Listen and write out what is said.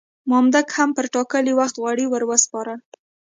مامدک هم پر ټاکلي وخت غوړي ور وسپارل.